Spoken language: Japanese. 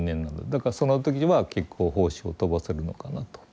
だからその時は結構胞子を飛ばせるのかなと。